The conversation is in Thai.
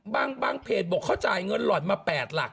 บางเพจบอกเขาจ่ายเงินหล่อนมา๘หลัก